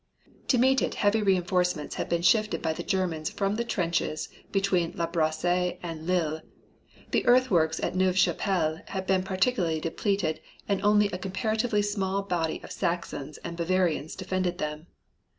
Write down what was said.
To meet it heavy reinforcements had been shifted by the Germans from the trenches between La Bassee and Lille. The earthworks at Neuve Chapelle had been particularly depleted and only a comparatively small body of Saxons and Bavarians defended them.